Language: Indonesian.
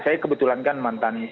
saya kebetulan kan mantan